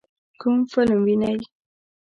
کوم فلم وینئ؟